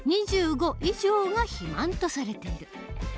２５以上が肥満とされている。